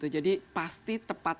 jadi pasti tepat